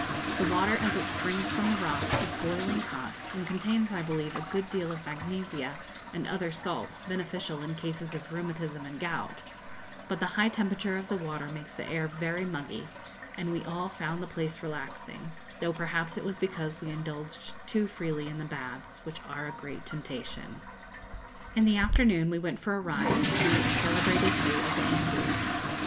The water, as it springs from the rock, is boiling hot, and contains, I believe, a good deal of magnesia and other salts, beneficial in cases of rheumatism and gout; but the high temperature of the water makes the air very muggy, and we all found the place relaxing, though perhaps it was because we indulged too freely in the baths, which are a great temptation. [Illustration: Up the Valley towards the Andes.] In the afternoon we went for a ride, to see a celebrated view of the Andes.